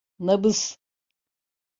Nabız?